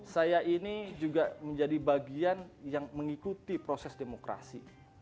saya ini juga menjadi bagian yang mengikuti proses demokrasi